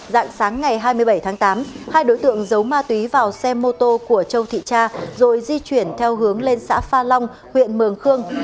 dạng sáng ngày hai mươi bảy tháng tám hai đối tượng giấu ma túy vào xe mô tô của châu thị cha rồi di chuyển theo hướng lên xã pha long huyện mường khương